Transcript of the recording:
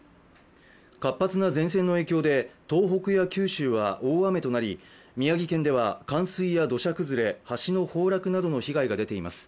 活発な前線の影響で東北や九州は大雨となり宮城県では冠水や土砂崩れ、橋の崩落などの被害が出ています。